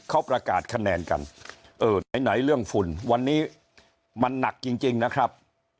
เขาประกาศคะแนนกันเออไหนเรื่องฝุ่นวันนี้มันหนักจริงนะครับ